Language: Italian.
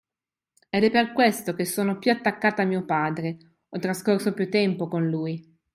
ed è per questo che sono più attaccata a mio padre, ho trascorso più tempo con lui.